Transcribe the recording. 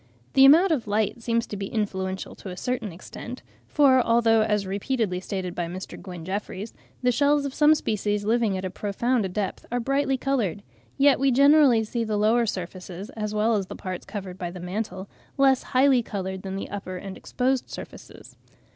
The amount of light seems to be influential to a certain extent; for although, as repeatedly stated by Mr. Gwyn Jeffreys, the shells of some species living at a profound depth are brightly coloured, yet we generally see the lower surfaces, as well as the parts covered by the mantle, less highly coloured than the upper and exposed surfaces.